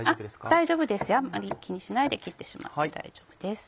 大丈夫ですよあんまり気にしないで切ってしまって大丈夫です。